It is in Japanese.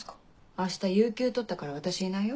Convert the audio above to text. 明日有休取ったから私いないよ。